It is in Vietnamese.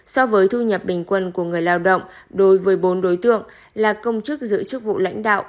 so với thu nhập bình quân của người lao động đối với bốn đối tượng là công chức giữ chức vụ lãnh đạo